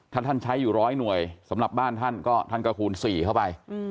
ถ้าท่านใช้อยู่๑๐๐หน่วยสำหรับบ้านท่านก็ท่านก็คูณ๔เข้าไป